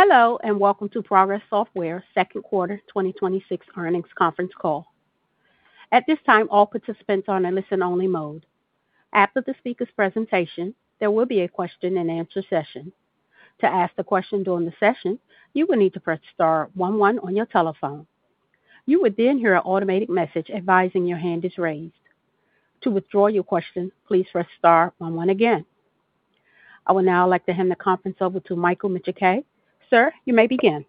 Hello, welcome to Progress Software second quarter 2026 earnings conference call. At this time, all participants are in listen only mode. After the speaker's presentation, there will be a question-and-answer session. To ask the question during the session, you will need to press star one one on your telephone. You would then hear an automated message advising your hand is raised. To withdraw your question, please press star one one again. I would now like to hand the conference over to Michael Micciche. Sir, you may begin.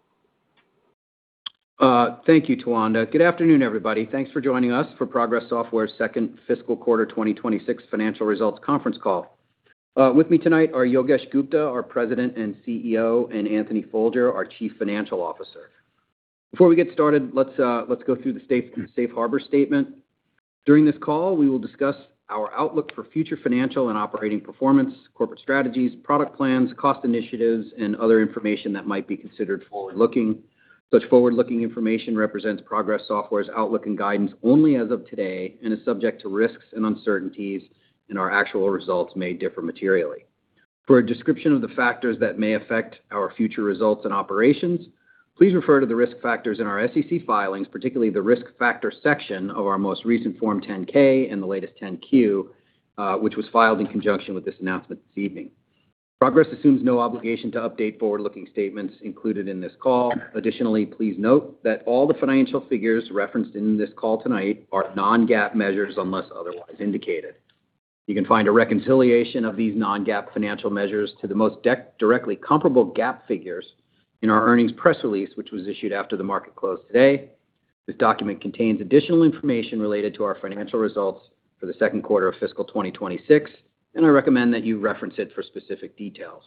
Thank you, Tawanda. Good afternoon, everybody. Thanks for joining us for Progress Software second fiscal quarter 2026 financial results conference call. With me tonight are Yogesh Gupta, our President and CEO, and Anthony Folger, our Chief Financial Officer. Before we get started, let's go through the safe harbor statement. During this call, we will discuss our outlook for future financial and operating performance, corporate strategies, product plans, cost initiatives, and other information that might be considered forward-looking. Such forward-looking information represents Progress Software's outlook and guidance only as of today and is subject to risks and uncertainties, our actual results may differ materially. For a description of the factors that may affect our future results and operations, please refer to the risk factors in our SEC filings, particularly the risk factors section of our most recent Form 10-K and the latest 10-Q, which was filed in conjunction with this announcement this evening. Progress assumes no obligation to update forward-looking statements included in this call. Additionally, please note that all the financial figures referenced in this call tonight are non-GAAP measures unless otherwise indicated. You can find a reconciliation of these non-GAAP financial measures to the most directly comparable GAAP figures in our earnings press release, which was issued after the market close today. This document contains additional information related to our financial results for the second quarter of fiscal 2026. I recommend that you reference it for specific details.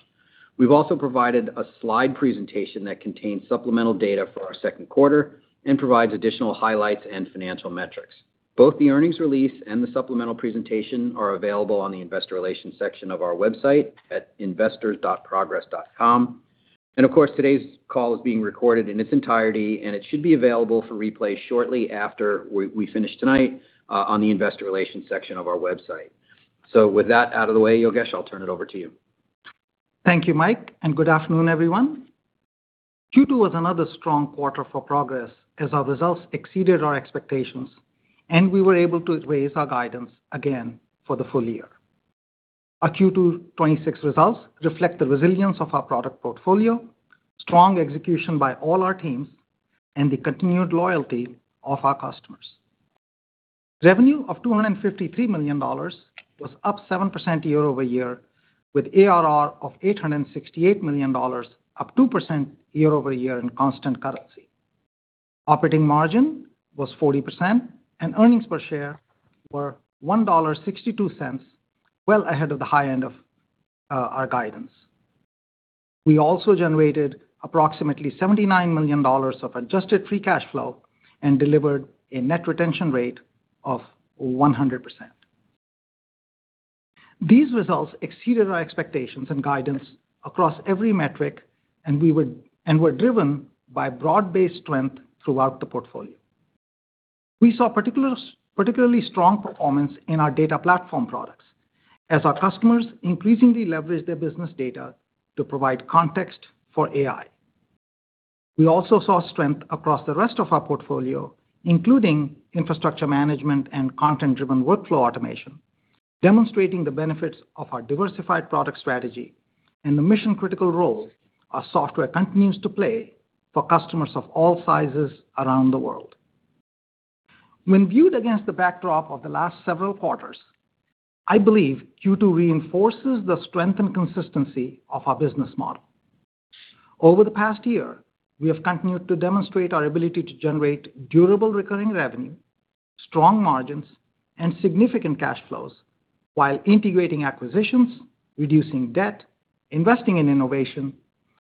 We've also provided a slide presentation that contains supplemental data for our second quarter and provides additional highlights and financial metrics. Both the earnings release and the supplemental presentation are available on the Investor Relations section of our website at investors.progress.com. Of course, today's call is being recorded in its entirety, it should be available for replay shortly after we finish tonight on the Investor Relations section of our website. With that out of the way, Yogesh, I'll turn it over to you. Thank you, Mike, and good afternoon, everyone. Q2 was another strong quarter for Progress Software as our results exceeded our expectations, and we were able to raise our guidance again for the full-year. Our Q2 2026 results reflect the resilience of our product portfolio, strong execution by all our teams, and the continued loyalty of our customers. Revenue of $253 million was up 7% year-over-year, with ARR of $868 million, up 2% year-over-year in constant currency. Operating margin was 40%, and earnings per share were $1.62, well ahead of the high end of our guidance. We also generated approximately $79 million of adjusted free cash flow and delivered a net retention rate of 100%. These results exceeded our expectations and guidance across every metric and were driven by broad-based strength throughout the portfolio. We saw particularly strong performance in our data platform products as our customers increasingly leverage their business data to provide context for AI. We also saw strength across the rest of our portfolio, including infrastructure management and content-driven workflow automation, demonstrating the benefits of our diversified product strategy and the mission-critical role our software continues to play for customers of all sizes around the world. When viewed against the backdrop of the last several quarters, I believe Q2 reinforces the strength and consistency of our business model. Over the past year, we have continued to demonstrate our ability to generate durable recurring revenue, strong margins, and significant cash flows while integrating acquisitions, reducing debt, investing in innovation,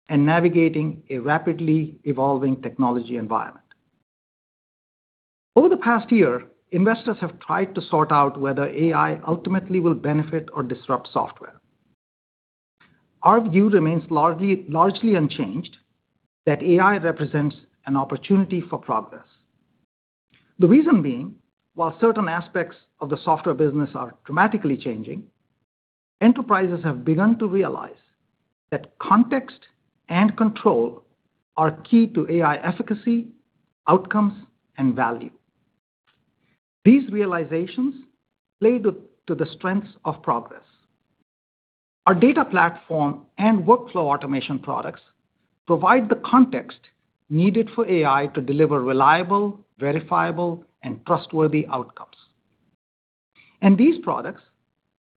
and navigating a rapidly evolving technology environment. Over the past year, investors have tried to sort out whether AI ultimately will benefit or disrupt software. Our view remains largely unchanged, that AI represents an opportunity for Progress Software. The reason being, while certain aspects of the software business are dramatically changing, enterprises have begun to realize that context and control are key to AI efficacy, outcomes, and value. These realizations play to the strengths of Progress Software. Our data platform and workflow automation products provide the context needed for AI to deliver reliable, verifiable, and trustworthy outcomes. These products,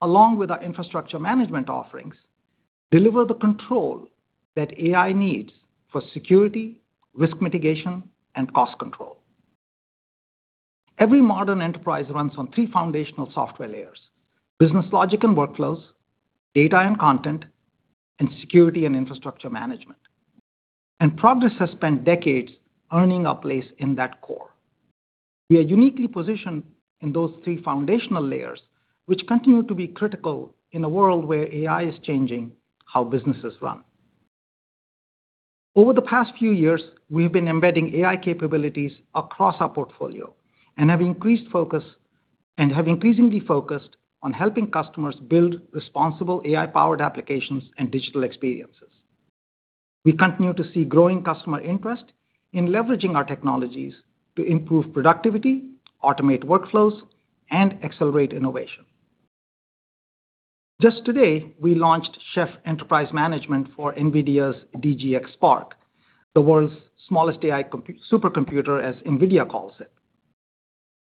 along with our infrastructure management offerings, deliver the control that AI needs for security, risk mitigation, and cost control. Every modern enterprise runs on three foundational software layers: business logic and workflows; data and content; and security and infrastructure management. Progress Software has spent decades earning a place in that core. We are uniquely positioned in those three foundational layers, which continue to be critical in a world where AI is changing how businesses run. Over the past few years, we've been embedding AI capabilities across our portfolio and have increasingly focused on helping customers build responsible AI-powered applications and digital experiences. We continue to see growing customer interest in leveraging our technologies to improve productivity, automate workflows, and accelerate innovation. Just today, we launched Progress Chef Enterprise Management for NVIDIA DGX Spark, the world's smallest AI supercomputer, as NVIDIA calls it.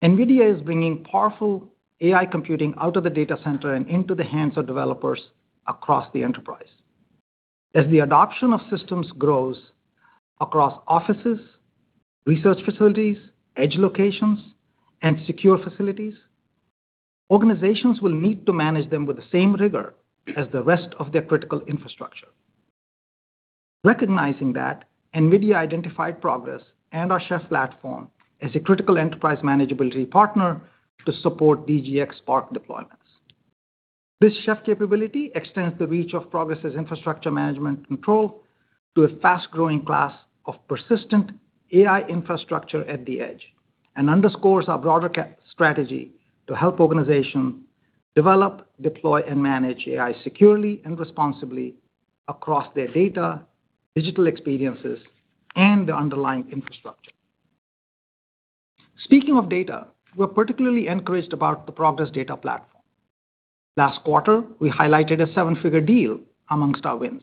NVIDIA is bringing powerful AI computing out of the data center and into the hands of developers across the enterprise. As the adoption of systems grows across offices, research facilities, edge locations, and secure facilities, organizations will need to manage them with the same rigor as the rest of their critical infrastructure. Recognizing that, NVIDIA identified Progress Software and our Progress Chef platform as a critical enterprise manageability partner to support DGX Spark deployments. This Chef capability extends the reach of Progress's infrastructure management control to a fast-growing class of persistent AI infrastructure at the edge and underscores our broader strategy to help organizations develop, deploy, and manage AI securely and responsibly across their data, digital experiences, and the underlying infrastructure. Speaking of data, we're particularly encouraged about the Progress Data Platform. Last quarter, we highlighted a seven-figure deal amongst our wins,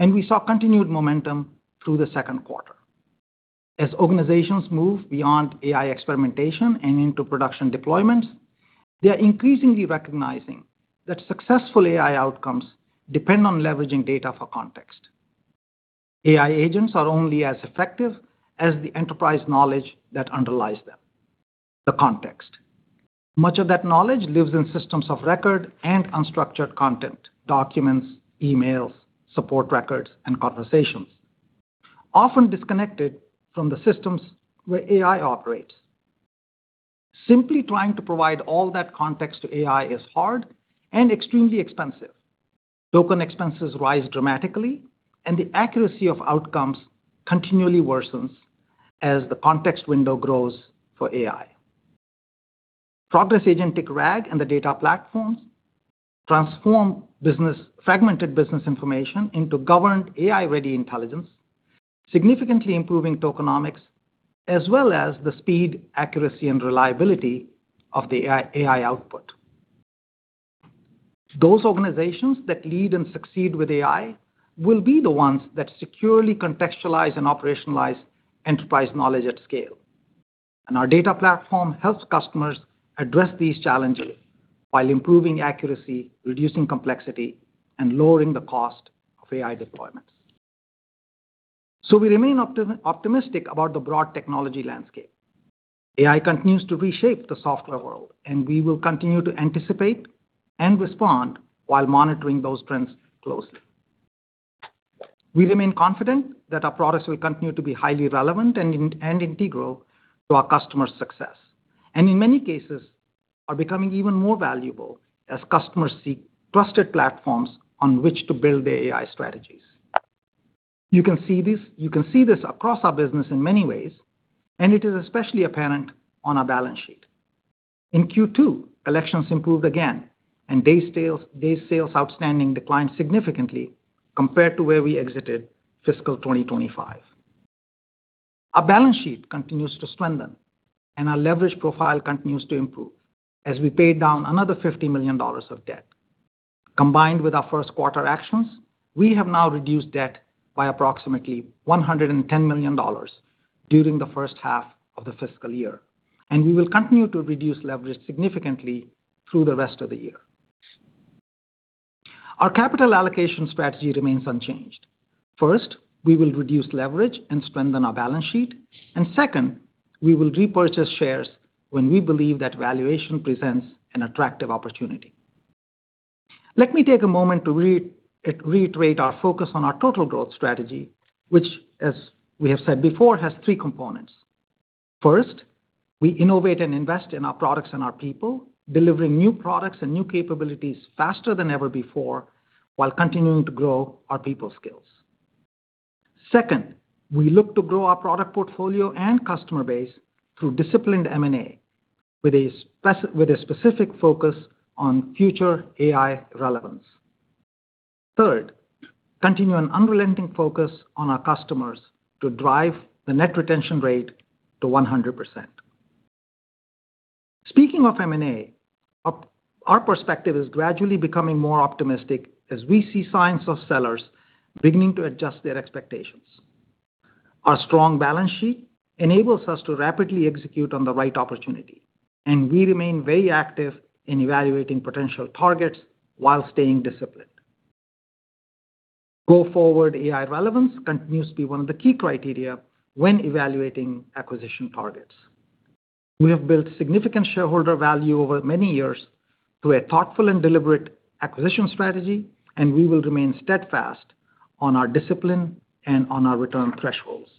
and we saw continued momentum through the second quarter. As organizations move beyond AI experimentation and into production deployments, they are increasingly recognizing that successful AI outcomes depend on leveraging data for context. AI agents are only as effective as the enterprise knowledge that underlies them, the context. Much of that knowledge lives in systems of record and unstructured content, documents, emails, support records, and conversations, often disconnected from the systems where AI operates. Simply trying to provide all that context to AI is hard and extremely expensive. Token expenses rise dramatically, and the accuracy of outcomes continually worsens as the context window grows for AI. Progress Agentic RAG and the data platforms transform fragmented business information into governed AI-ready intelligence, significantly improving tokenomics as well as the speed, accuracy, and reliability of the AI output. Those organizations that lead and succeed with AI will be the ones that securely contextualize and operationalize enterprise knowledge at scale. Our Data Platform helps customers address these challenges while improving accuracy, reducing complexity, and lowering the cost of AI deployments. We remain optimistic about the broad technology landscape. AI continues to reshape the software world, and we will continue to anticipate and respond while monitoring those trends closely. We remain confident that our products will continue to be highly relevant and integral to our customers' success, and in many cases are becoming even more valuable as customers seek trusted platforms on which to build their AI strategies. You can see this across our business in many ways, and it is especially apparent on our balance sheet. In Q2, collections improved again, and days sales outstanding declined significantly compared to where we exited fiscal year 2025. Our balance sheet continues to strengthen, and our leverage profile continues to improve as we paid down another $50 million of debt. Combined with our first quarter actions, we have now reduced debt by approximately $110 million during the first half of the fiscal year, and we will continue to reduce leverage significantly through the rest of the year. Our capital allocation strategy remains unchanged. First, we will reduce leverage and strengthen our balance sheet. Second, we will repurchase shares when we believe that valuation presents an attractive opportunity. Let me take a moment to reiterate our focus on our total growth strategy, which as we have said before, has three components. First, we innovate and invest in our products and our people, delivering new products and new capabilities faster than ever before while continuing to grow our people skills. Second, we look to grow our product portfolio and customer base through disciplined M&A with a specific focus on future AI relevance. Third, continue an unrelenting focus on our customers to drive the net retention rate to 100%. Speaking of M&A, our perspective is gradually becoming more optimistic as we see signs of sellers beginning to adjust their expectations. Our strong balance sheet enables us to rapidly execute on the right opportunity. We remain very active in evaluating potential targets while staying disciplined. Go-forward AI relevance continues to be one of the key criteria when evaluating acquisition targets. We have built significant shareholder value over many years through a thoughtful and deliberate acquisition strategy. We will remain steadfast on our discipline and on our return thresholds.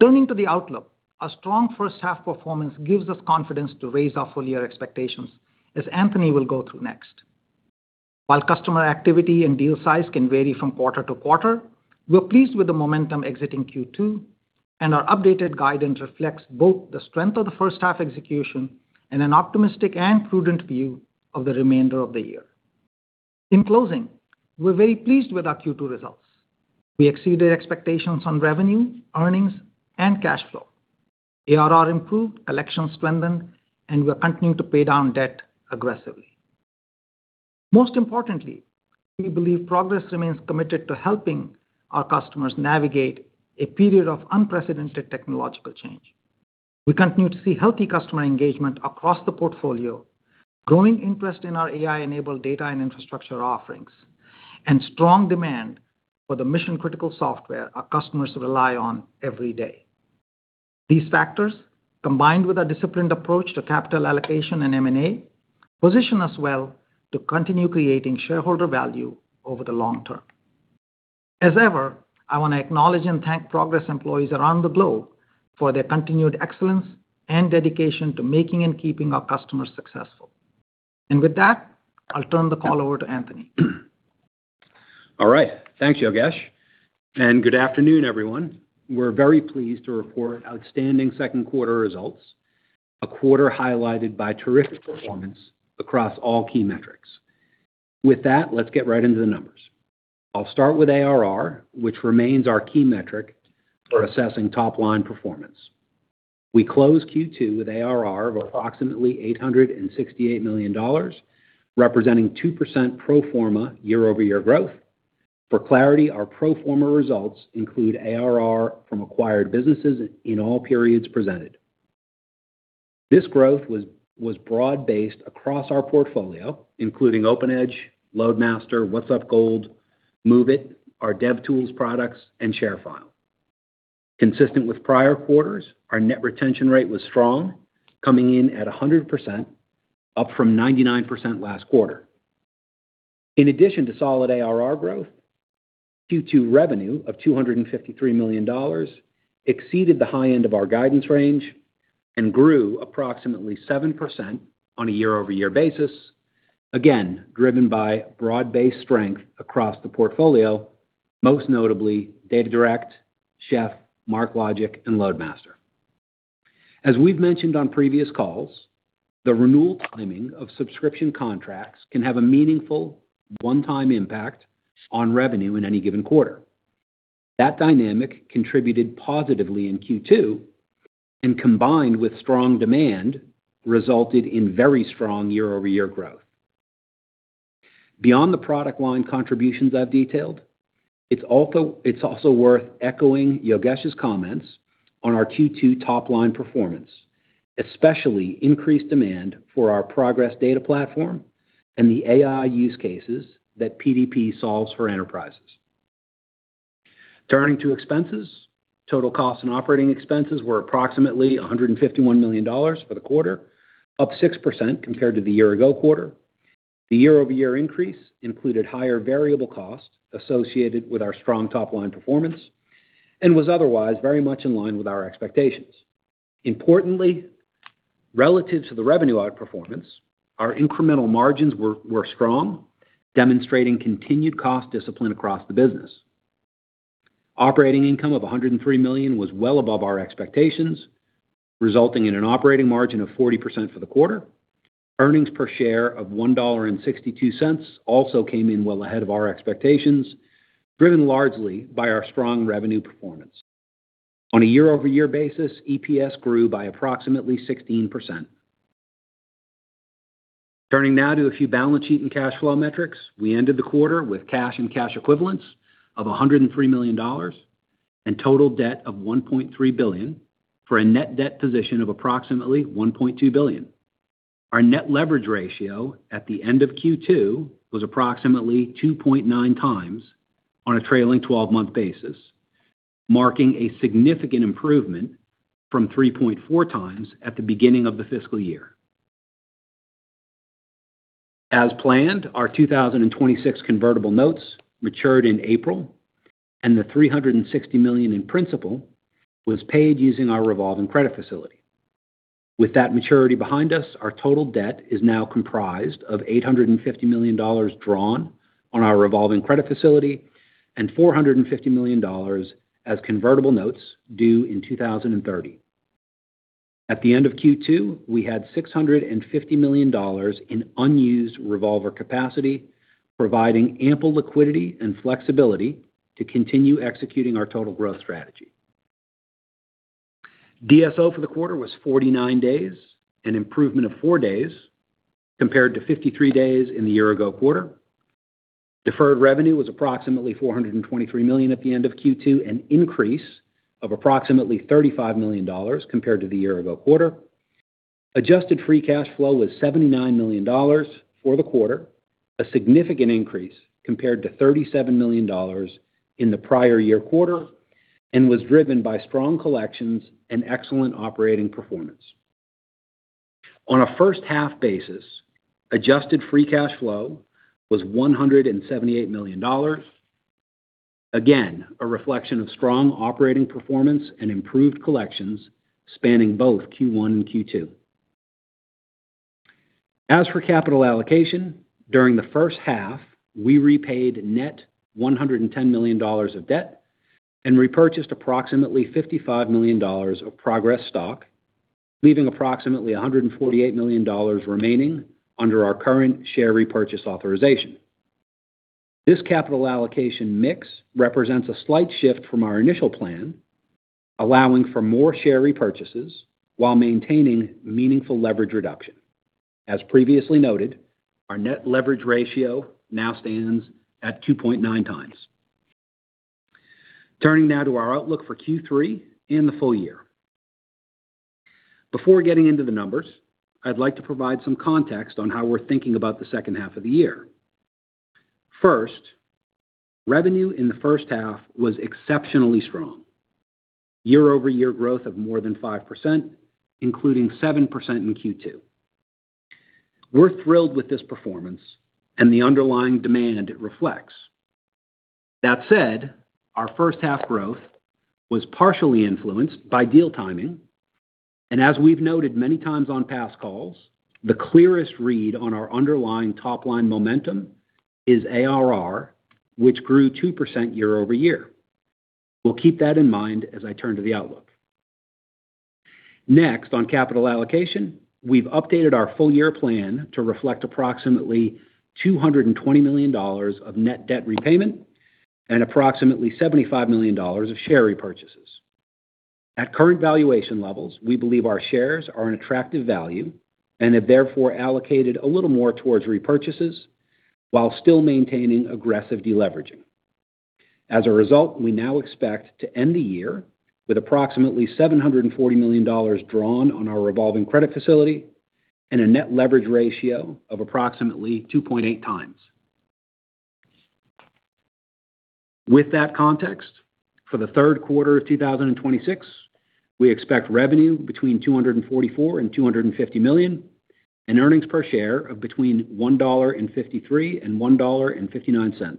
Turning to the outlook, our strong first half performance gives us confidence to raise our full-year expectations, as Anthony will go through next. While customer activity and deal size can vary from quarter-to-quarter, we're pleased with the momentum exiting Q2. Our updated guidance reflects both the strength of the first half execution and an optimistic and prudent view of the remainder of the year. In closing, we're very pleased with our Q2 results. We exceeded expectations on revenue, earnings, and cash flow. ARR improved, collections strengthened. We're continuing to pay down debt aggressively. Most importantly, we believe Progress remains committed to helping our customers navigate a period of unprecedented technological change. We continue to see healthy customer engagement across the portfolio, growing interest in our AI-enabled data and infrastructure offerings, and strong demand for the mission-critical software our customers rely on every day. These factors, combined with a disciplined approach to capital allocation and M&A, position us well to continue creating shareholder value over the long term. As ever, I want to acknowledge and thank Progress employees around the globe for their continued excellence and dedication to making and keeping our customers successful. With that, I'll turn the call over to Anthony. All right. Thanks, Yogesh. Good afternoon, everyone. We're very pleased to report outstanding second quarter results, a quarter highlighted by terrific performance across all key metrics. With that, let's get right into the numbers. I'll start with ARR, which remains our key metric for assessing top-line performance. We closed Q2 with ARR of approximately $868 million, representing 2% pro forma year-over-year growth. For clarity, our pro forma results include ARR from acquired businesses in all periods presented. This growth was broad-based across our portfolio, including OpenEdge, LoadMaster, WhatsUp Gold, MOVEit, our DevTools products, and ShareFile. Consistent with prior quarters, our net retention rate was strong, coming in at 100%, up from 99% last quarter. In addition to solid ARR growth, Q2 revenue of $253 million exceeded the high end of our guidance range and grew approximately 7% on a year-over-year basis. Again, driven by broad-based strength across the portfolio, most notably DataDirect, Chef, MarkLogic, and LoadMaster. As we've mentioned on previous calls, the renewal timing of subscription contracts can have a meaningful one-time impact on revenue in any given quarter. That dynamic contributed positively in Q2, and combined with strong demand, resulted in very strong year-over-year growth. Beyond the product line contributions I've detailed, it's also worth echoing Yogesh's comments on our Q2 top-line performance, especially increased demand for our Progress Data Platform and the AI use cases that PDP solves for enterprises. Turning to expenses. Total cost and operating expenses were approximately $151 million for the quarter, up 6% compared to the year-ago quarter. The year-over-year increase included higher variable costs associated with our strong top-line performance and was otherwise very much in line with our expectations. Importantly, relative to the revenue outperformance, our incremental margins were strong, demonstrating continued cost discipline across the business. Operating income of $103 million was well above our expectations, resulting in an operating margin of 40% for the quarter. Earnings per share of $1.62 also came in well ahead of our expectations, driven largely by our strong revenue performance. On a year-over-year basis, EPS grew by approximately 16%. Turning now to a few balance sheet and cash flow metrics. We ended the quarter with cash and cash equivalents of $103 million and total debt of $1.3 billion, for a net debt position of approximately $1.2 billion. Our net leverage ratio at the end of Q2 was approximately 2.9x on a trailing 12-month basis, marking a significant improvement from 3.4x at the beginning of the fiscal year. As planned, our 2026 convertible notes matured in April, and the $360 million in principal was paid using our revolving credit facility. With that maturity behind us, our total debt is now comprised of $850 million drawn on our revolving credit facility and $450 million as convertible notes due in 2030. At the end of Q2, we had $650 million in unused revolver capacity, providing ample liquidity and flexibility to continue executing our total growth strategy. DSO for the quarter was 49 days, an improvement of four days compared to 53 days in the year-ago quarter. Deferred revenue was approximately $423 million at the end of Q2, an increase of approximately $35 million compared to the year-ago quarter. Adjusted free cash flow was $79 million for the quarter, a significant increase compared to $37 million in the prior year quarter, was driven by strong collections and excellent operating performance. On a first-half basis, adjusted free cash flow was $178 million. Again, a reflection of strong operating performance and improved collections spanning both Q1 and Q2. As for capital allocation, during the first half, we repaid net $110 million of debt and repurchased approximately $55 million of Progress stock, leaving approximately $148 million remaining under our current share repurchase authorization. This capital allocation mix represents a slight shift from our initial plan, allowing for more share repurchases while maintaining meaningful leverage reduction. As previously noted, our net leverage ratio now stands at 2.9x. Turning now to our outlook for Q3 and the full-year. Before getting into the numbers, I'd like to provide some context on how we're thinking about the second half of the year. First, revenue in the first half was exceptionally strong. Year-over-year growth of more than 5%, including 7% in Q2. We're thrilled with this performance and the underlying demand it reflects. That said, our first half growth was partially influenced by deal timing. As we've noted many times on past calls, the clearest read on our underlying top-line momentum is ARR, which grew 2% year-over-year. We'll keep that in mind as I turn to the outlook. Next, on capital allocation, we've updated our full-year plan to reflect approximately $220 million of net debt repayment and approximately $75 million of share repurchases. At current valuation levels, we believe our shares are an attractive value, have therefore allocated a little more towards repurchases while still maintaining aggressive deleveraging. As a result, we now expect to end the year with approximately $740 million drawn on our revolving credit facility and a net leverage ratio of approximately 2.8x. With that context, for the third quarter of 2026, we expect revenue between $244 million and $250 million, and earnings per share of between $1.53 and $1.59.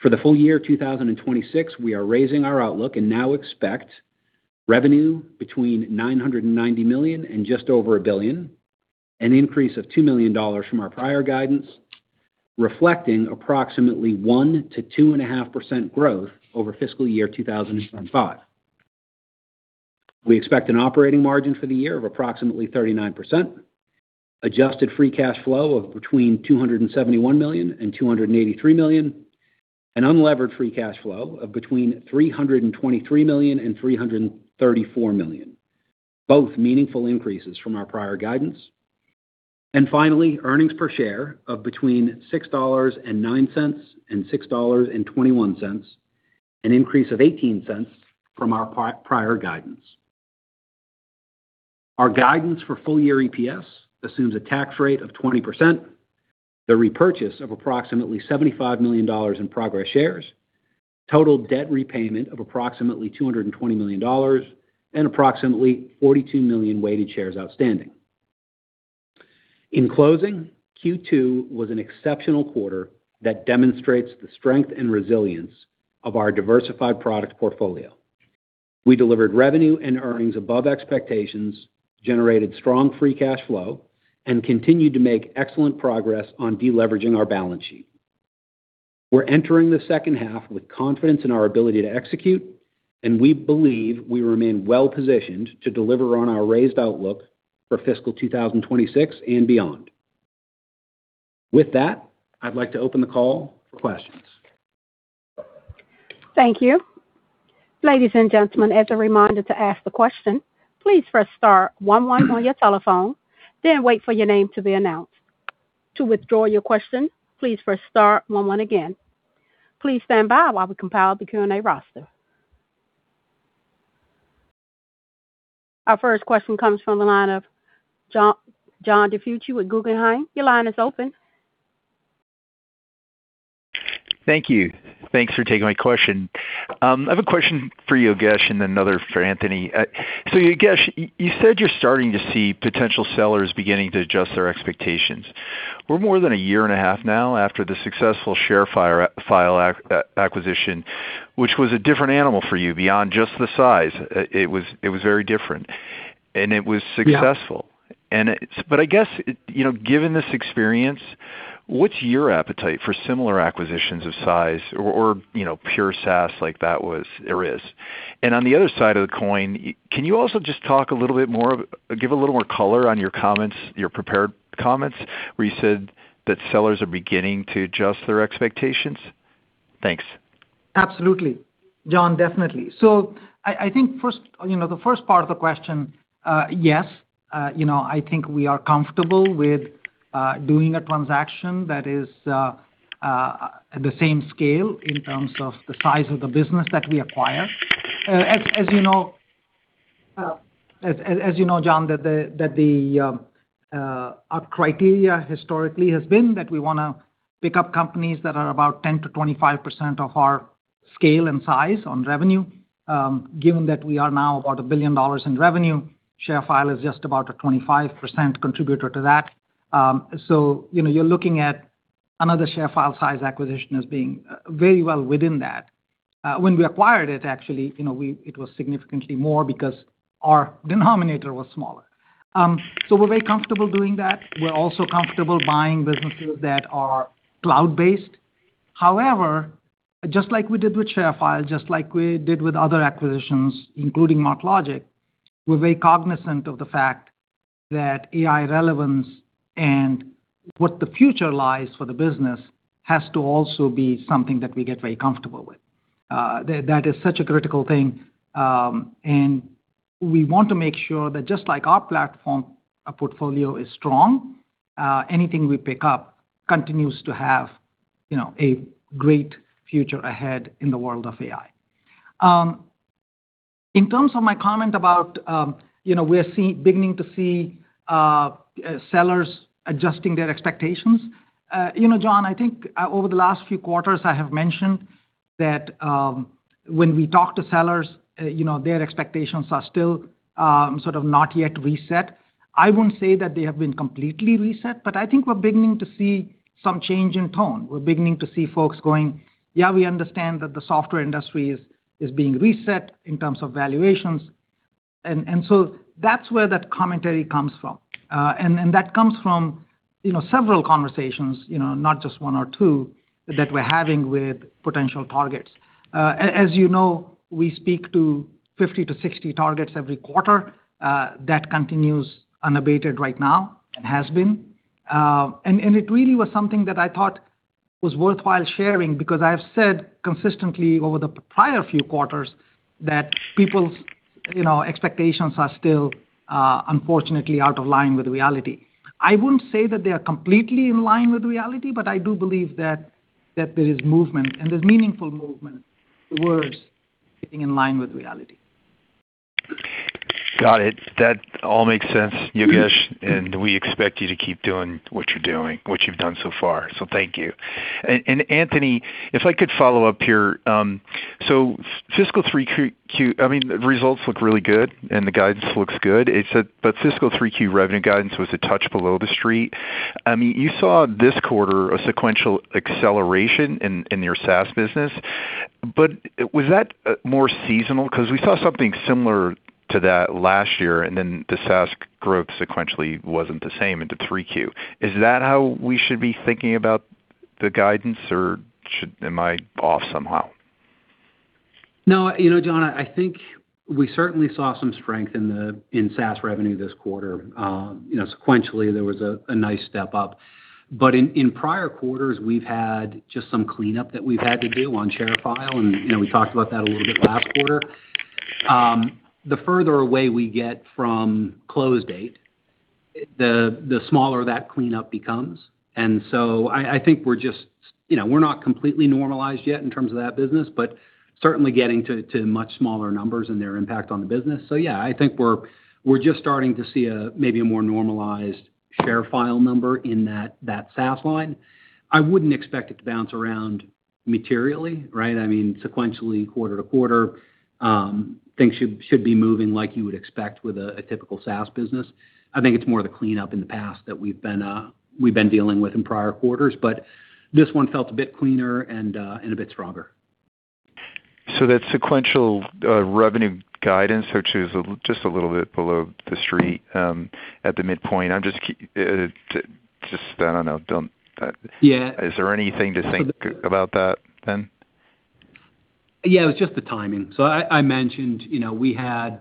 For the full-year 2026, we are raising our outlook and now expect revenue between $990 million and just over $1 billion, an increase of $2 million from our prior guidance, reflecting approximately 1%-2.5% growth over fiscal year 2025. We expect an operating margin for the year of approximately 39%, adjusted free cash flow of between $271 million and $283 million, and unlevered free cash flow of between $323 million and $334 million, both meaningful increases from our prior guidance. Finally, earnings per share of between $6.09 and $6.21, an increase of $0.18 from our prior guidance. Our guidance for full-year EPS assumes a tax rate of 20%, the repurchase of approximately $75 million in Progress shares, total debt repayment of approximately $220 million, and approximately 42 million weighted shares outstanding. In closing, Q2 was an exceptional quarter that demonstrates the strength and resilience of our diversified product portfolio. We delivered revenue and earnings above expectations, generated strong free cash flow, and continued to make excellent progress on deleveraging our balance sheet. We're entering the second half with confidence in our ability to execute, and we believe we remain well-positioned to deliver on our raised outlook for fiscal 2026 and beyond. With that, I'd like to open the call for questions. Thank you. Ladies and gentlemen, as a reminder to ask the question, please press star one one on your telephone, then wait for your name to be announced. To withdraw your question, please press star one one again. Please stand by while we compile the Q&A roster. Our first question comes from the line of John DiFucci with Guggenheim Securities. Your line is open. Thanks for taking my question. I have a question for you, Yogesh, and another for Anthony. Yogesh, you said you're starting to see potential sellers beginning to adjust their expectations. We're more than a year and a half now after the successful ShareFile acquisition, which was a different animal for you. Beyond just the size, it was very different, and it was successful. Yeah. I guess, given this experience, what's your appetite for similar acquisitions of size or pure SaaS like that was or is? On the other side of the coin, can you also just talk a little bit more, give a little more color on your comments, your prepared comments, where you said that sellers are beginning to adjust their expectations? Thanks. Absolutely, John. Definitely. I think the first part of the question, yes. I think we are comfortable with doing a transaction that is at the same scale in terms of the size of the business that we acquire. As you know, John, our criteria historically has been that we want to pick up companies that are about 10%-25% of our scale and size on revenue, given that we are now about $1 billion in revenue, ShareFile is just about a 25% contributor to that. You're looking at another ShareFile size acquisition as being very well within that. When we acquired it, actually, it was significantly more because our denominator was smaller. We're very comfortable doing that. We're also comfortable buying businesses that are cloud-based. However, just like we did with ShareFile, just like we did with other acquisitions, including MarkLogic, we're very cognizant of the fact that AI relevance and what the future lies for the business has to also be something that we get very comfortable with. That is such a critical thing, and we want to make sure that just like our platform, our portfolio is strong. Anything we pick up continues to have a great future ahead in the world of AI. In terms of my comment about we're beginning to see sellers adjusting their expectations. John, I think over the last few quarters, I have mentioned that when we talk to sellers, their expectations are still sort of not yet reset. I wouldn't say that they have been completely reset, but I think we're beginning to see some change in tone. We're beginning to see folks going, "Yeah, we understand that the software industry is being reset in terms of valuations." That's where that commentary comes from. That comes from several conversations, not just one or two that we're having with potential targets. As you know, we speak to 50-60 targets every quarter. That continues unabated right now and has been. It really was something that I thought was worthwhile sharing because I have said consistently over the prior few quarters that people's expectations are still, unfortunately, out of line with reality. I wouldn't say that they are completely in line with reality, but I do believe that there is movement, and there's meaningful movement towards getting in line with reality. Got it. That all makes sense, Yogesh, we expect you to keep doing what you're doing, which you've done so far. Thank you. Anthony, if I could follow up here. Fiscal 3Q, results look really good, the guidance looks good. Fiscal 3Q revenue guidance was a touch below the street. You saw this quarter a sequential acceleration in your SaaS business. Was that more seasonal? We saw something similar to that last year, then the SaaS growth sequentially wasn't the same into 3Q. Is that how we should be thinking about the guidance, or am I off somehow? No, John, I think we certainly saw some strength in SaaS revenue this quarter. Sequentially, there was a nice step up. In prior quarters, we've had just some cleanup that we've had to do on ShareFile, we talked about that a little bit last quarter. The further away we get from close date, the smaller that cleanup becomes. I think we're not completely normalized yet in terms of that business, but certainly getting to much smaller numbers and their impact on the business. Yeah, I think we're just starting to see maybe a more normalized ShareFile number in that SaaS line. I wouldn't expect it to bounce around materially, right? I mean, sequentially quarter-to-quarter, things should be moving like you would expect with a typical SaaS business. I think it's more the cleanup in the past that we've been dealing with in prior quarters, this one felt a bit cleaner and a bit stronger. That sequential revenue guidance, which is just a little bit below the street at the midpoint, I don't know. Is there anything to think about that, then? Yeah, it was just the timing. I mentioned we had,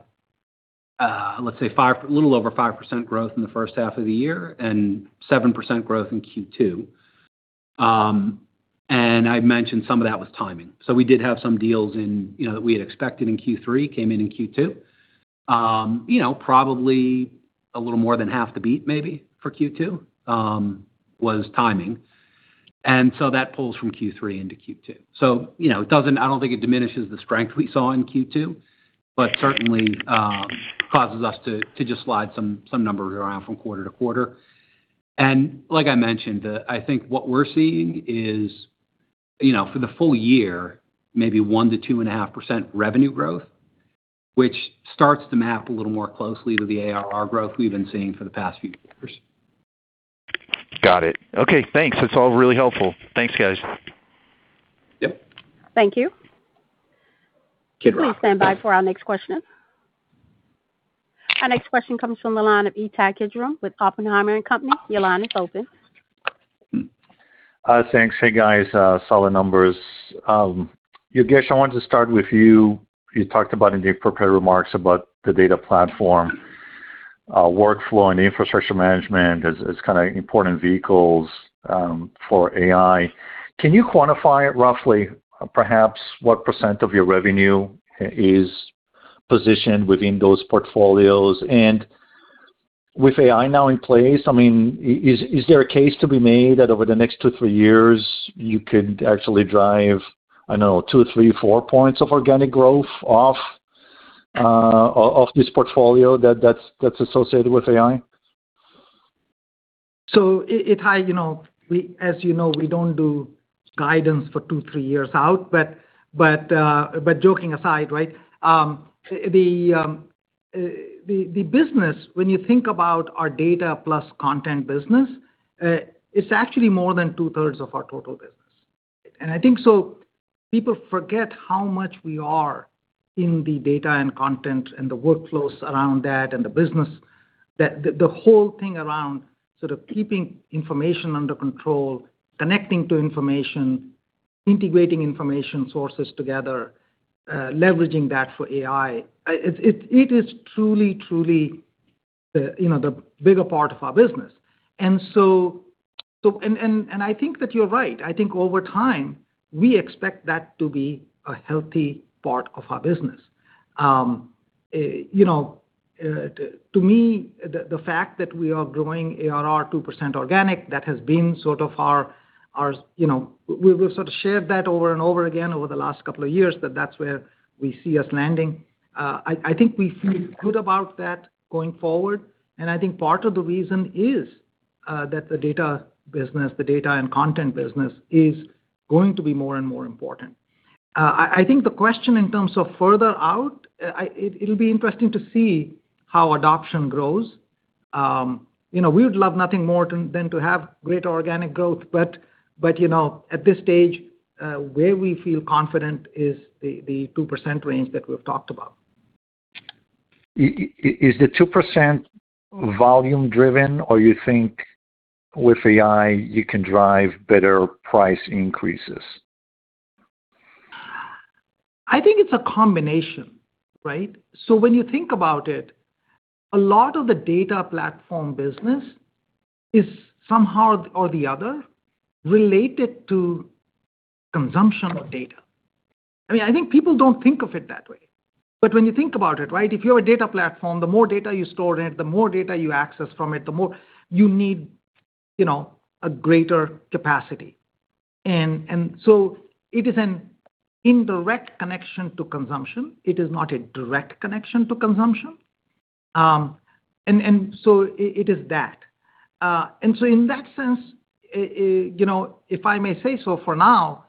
let's say a little over 5% growth in the first half of the year and 7% growth in Q2. I mentioned some of that was timing. We did have some deals that we had expected in Q3, came in in Q2. Probably a little more than half the beat, maybe, for Q2 was timing. That pulls from Q3 into Q2. I don't think it diminishes the strength we saw in Q2, but certainly causes us to just slide some numbers around from quarter-to-quarter. Like I mentioned, I think what we're seeing is, for the full-year, maybe 1%-2.5% revenue growth, which starts to map a little more closely to the ARR growth we've been seeing for the past few quarters. Got it. Okay, thanks. That's all really helpful. Thanks, guys. Yep. Thank you. Please stand by for our next questioner. Our next question comes from the line of Ittai Kidron with Oppenheimer & Company. Your line is open. Thanks. Hey, guys. Solid numbers. Yogesh, I wanted to start with you. You talked about in the prepared remarks about the data platform workflow and infrastructure management as kind of important vehicles for AI. Can you quantify roughly perhaps what percent of your revenue is positioned within those portfolios? With AI now in place, is there a case to be made that over the next two, three years, you could actually drive, I don't know, 2 or 3, 4 points of organic growth off this portfolio that's associated with AI? Ittai, as you know, we don't do guidance for two, three years out, but joking aside, right? The business, when you think about our data plus content business, it's actually more than 2/3 of our total business. I think people forget how much we are in the data and content and the workflows around that and the business. The whole thing around keeping information under control, connecting to information, integrating information sources together, leveraging that for AI, it is truly the bigger part of our business. I think that you're right. I think over time, we expect that to be a healthy part of our business. To me, the fact that we are growing ARR 2% organic, we've sort of shared that over and over again over the last couple of years, that that's where we see us landing. I think we feel good about that going forward. I think part of the reason is that the data business, the data and content business, is going to be more and more important. I think the question in terms of further out, it'll be interesting to see how adoption grows. We would love nothing more than to have great organic growth, but at this stage, where we feel confident is the 2% range that we've talked about. Is the 2% volume driven? You think with AI, you can drive better price increases? I think it's a combination, right? When you think about it, a lot of the data platform business is somehow or the other related to consumption of data. I think people don't think of it that way. When you think about it, right, if you're a data platform, the more data you store in it, the more data you access from it, the more you need a greater capacity. It is an indirect connection to consumption. It is not a direct connection to consumption. It is that. In that sense, if I may say so, for now,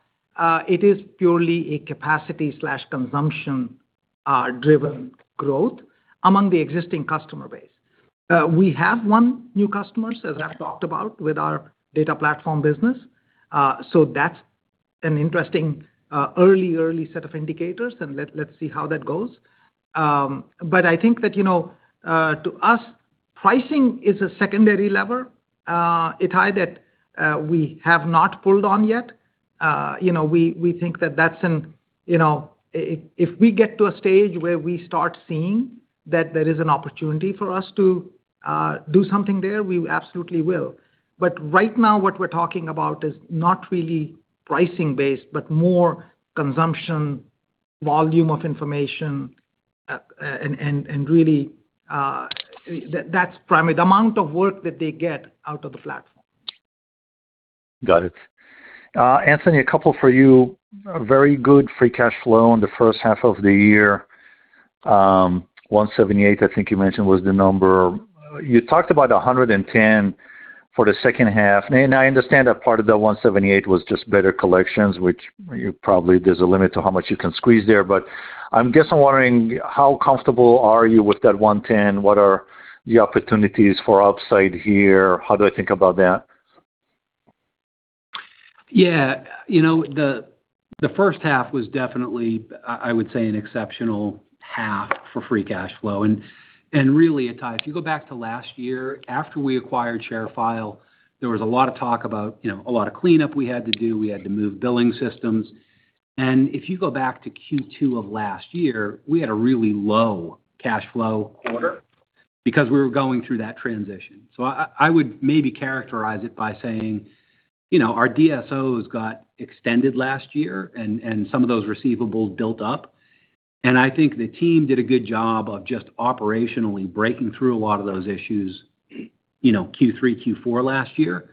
it is purely a capacity/consumption driven growth among the existing customer base. We have one new customer, as I've talked about, with our data platform business. That's an interesting early set of indicators, and let's see how that goes. I think that to us, pricing is a secondary lever, Ittai, that we have not pulled on yet. We think that if we get to a stage where we start seeing that there is an opportunity for us to do something there, we absolutely will. Right now, what we're talking about is not really pricing based, but more consumption, volume of information, and really, the amount of work that they get out of the platform. Got it. Anthony, a couple for you. A very good free cash flow in the first half of the year. $178 million, I think you mentioned, was the number. You talked about $110 million for the second half. I understand that part of the $178 million was just better collections, which probably there's a limit to how much you can squeeze there. I'm guessing, wondering how comfortable are you with that $110 million? What are the opportunities for upside here? How do I think about that? Yeah. The first half was definitely, I would say, an exceptional half for free cash flow. Really, Ittai, if you go back to last year, after we acquired ShareFile, there was a lot of talk about a lot of cleanup we had to do. We had to move billing systems. If you go back to Q2 of last year, we had a really low cash flow quarter because we were going through that transition. I would maybe characterize it by saying our DSOs got extended last year and some of those receivables built up. I think the team did a good job of just operationally breaking through a lot of those issues Q3, Q4 last year,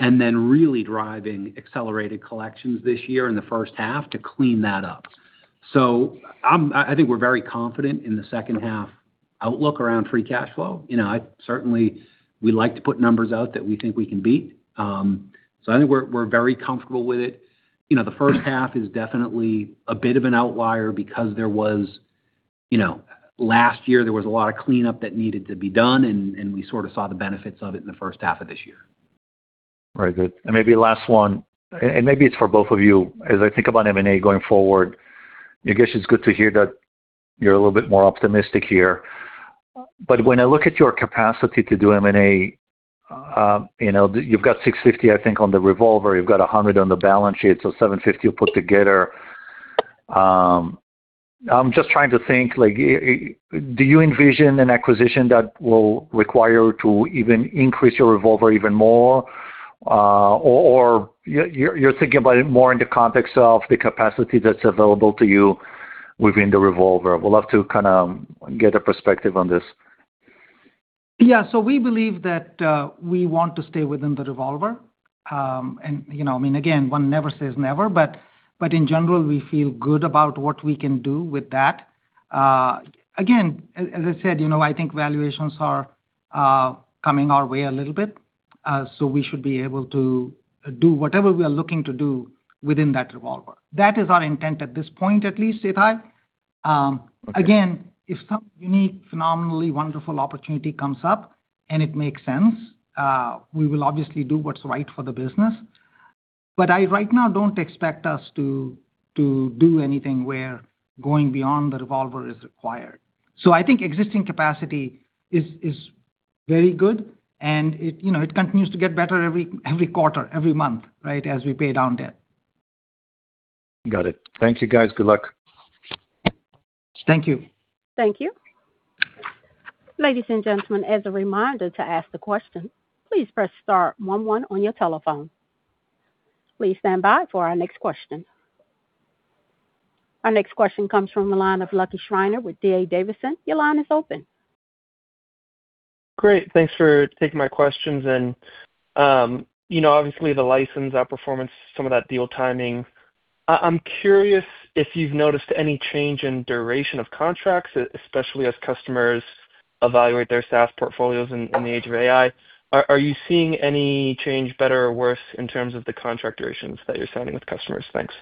and then really driving accelerated collections this year in the first half to clean that up. I think we're very confident in the second half outlook around free cash flow. Certainly, we like to put numbers out that we think we can beat. I think we're very comfortable with it. The first half is definitely a bit of an outlier because last year, there was a lot of cleanup that needed to be done, and we sort of saw the benefits of it in the first half of this year. Very good. Maybe last one, and maybe it's for both of you. As I think about M&A going forward, I guess it's good to hear that you're a little bit more optimistic here. When I look at your capacity to do M&A, you've got $650 million, I think, on the revolver, you've got $100 million on the balance sheet, so $750 million put together. I'm just trying to think, do you envision an acquisition that will require to even increase your revolver even more? Or you're thinking about it more in the context of the capacity that's available to you within the revolver? Would love to get a perspective on this. Yeah, we believe that we want to stay within the revolver. Again, one never says never, but in general, we feel good about what we can do with that. Again, as I said, I think valuations are coming our way a little bit. We should be able to do whatever we are looking to do within that revolver. That is our intent at this point at least, Ittai. Okay. Again, if some unique, phenomenally wonderful opportunity comes up and it makes sense, we will obviously do what's right for the business. I right now don't expect us to do anything where going beyond the revolver is required. I think existing capacity is very good, and it continues to get better every quarter, every month, right, as we pay down debt. Got it. Thank you, guys. Good luck. Thank you. Thank you. Ladies and gentlemen, as a reminder to ask the question, please press star one one on your telephone. Please stand by for our next question. Our next question comes from the line of Lucky Schreiner with D.A. Davidson. Your line is open. Great, thanks for taking my questions. Obviously the license outperformance, some of that deal timing. I'm curious if you've noticed any change in duration of contracts, especially as customers evaluate their SaaS portfolios in the age of AI. Are you seeing any change, better or worse, in terms of the contract durations that you're signing with customers? Thanks.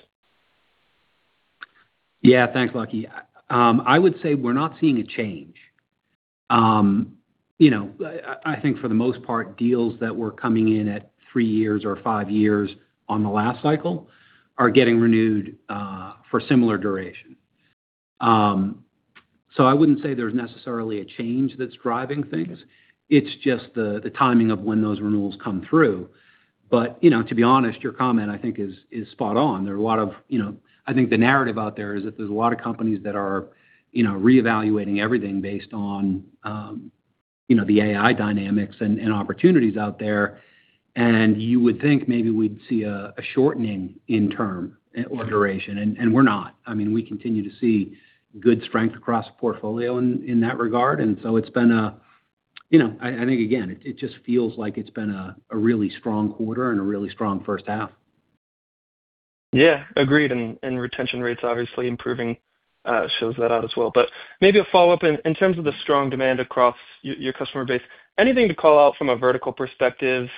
Yeah. Thanks, Lucky. I would say we're not seeing a change. I think for the most part, deals that were coming in at three years or five years on the last cycle are getting renewed for similar duration. I wouldn't say there's necessarily a change that's driving things. It's just the timing of when those renewals come through. To be honest, your comment, I think is spot on. I think the narrative out there is that there's a lot of companies that are reevaluating everything based on the AI dynamics and opportunities out there, you would think maybe we'd see a shortening in term or duration, and we're not. We continue to see good strength across the portfolio in that regard. I think, again, it just feels like it's been a really strong quarter and a really strong first half. Yeah. Agreed, and retention rates obviously improving shows that out as well. Maybe a follow-up. In terms of the strong demand across your customer base, anything to call out from a vertical perspective?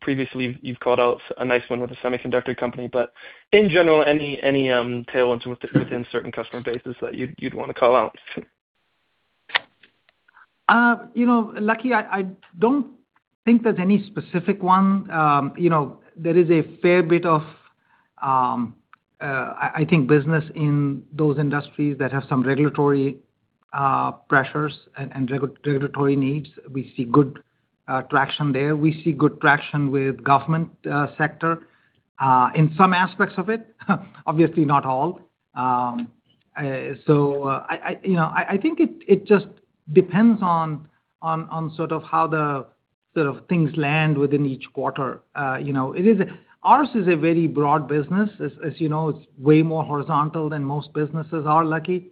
Previously you've called out a nice one with a semiconductor company, but in general, any tailwinds within certain customer bases that you'd want to call out? Lucky, I don't think there's any specific one. There is a fair bit of business in those industries that have some regulatory pressures and regulatory needs. We see good traction there. We see good traction with government sector, in some aspects of it, obviously not all. I think it just depends on how the things land within each quarter. Ours is a very broad business. As you know, it's way more horizontal than most businesses are, Lucky.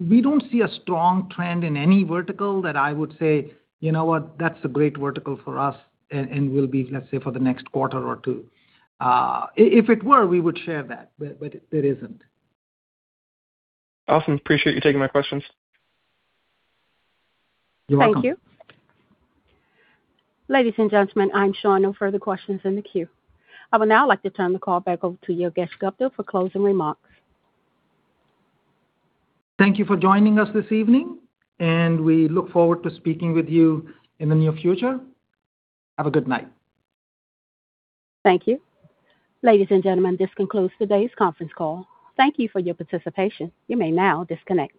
We don't see a strong trend in any vertical that I would say, "You know what? That's a great vertical for us, and will be, let's say, for the next quarter or two." If it were, we would share that, but it isn't. Awesome. Appreciate you taking my questions. You're welcome. Thank you. Ladies and gentlemen, I'm showing no further questions in the queue. I would now like to turn the call back over to Yogesh Gupta for closing remarks. Thank you for joining us this evening. We look forward to speaking with you in the near future. Have a good night. Thank you. Ladies and gentlemen, this concludes today's conference call. Thank you for your participation. You may now disconnect.